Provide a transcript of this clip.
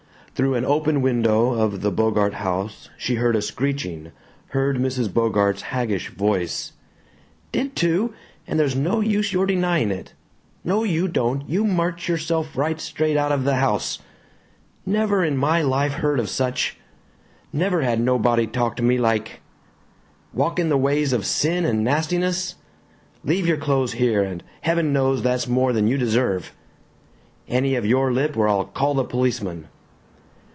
Through an open window of the Bogart house she heard a screeching, heard Mrs. Bogart's haggish voice: "... did too, and there's no use your denying it no you don't, you march yourself right straight out of the house ... never in my life heard of such ... never had nobody talk to me like ... walk in the ways of sin and nastiness ... leave your clothes here, and heaven knows that's more than you deserve ... any of your lip or I'll call the policeman."